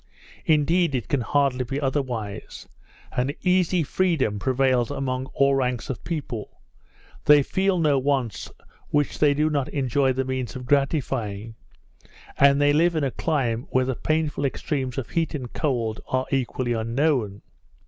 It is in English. Indeed, it can hardly be otherwise; an easy freedom prevails among all ranks of people; they feel no wants which they do not enjoy the means of gratifying; and they live in a clime where the painful extremes of heat and cold are equally unknown.